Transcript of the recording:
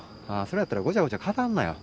それやったらごちゃごちゃ語んなよ。